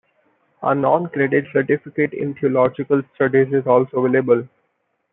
A non-credit Certificate in Theological Studies is also available.